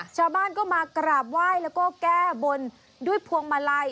ชาวบ้านก็มากราบไหว้แล้วก็แก้บนด้วยพวงมาลัย